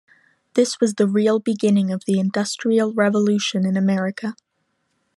This was the real beginning of the Industrial Revolution in America.